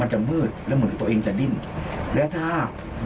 ฮ่าไอ้ฮ่า